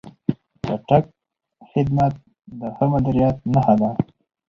چټک خدمت د ښه مدیریت نښه ده.